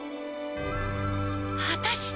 果たして。